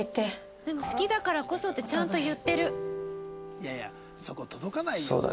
いやいやそこ届かないよ。